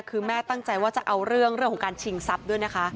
คือแม่ตั้งใจว่าจะเอาเรื่องของการชิงทรัพย์ด้วยนะคะ